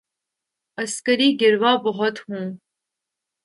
عسکری گروہ بہت ہوں۔